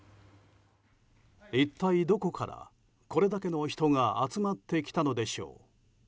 一体どこからこれだけの人が集まってきたのでしょう。